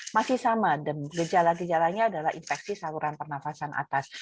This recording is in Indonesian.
masih sama gejala gejalanya adalah infeksi saluran pernafasan atas